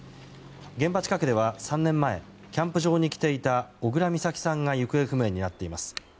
現場近くでは、３年前キャンプ場に来ていた小倉美咲さんが行方不明になっています。